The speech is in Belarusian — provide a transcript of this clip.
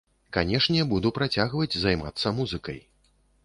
Канешне, буду працягваць займацца музыкай.